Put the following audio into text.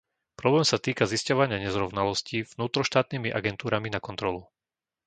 Problém sa týka zisťovania nezrovnalostí vnútroštátnymi agentúrami na kontrolu.